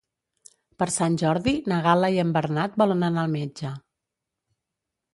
Per Sant Jordi na Gal·la i en Bernat volen anar al metge.